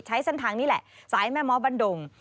ใช้เส้นทางนี้แหละสายแม่ม้อบันดง